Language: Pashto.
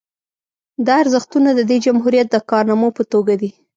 دا ارزښتونه د دې جمهوریت د کارنامو په توګه دي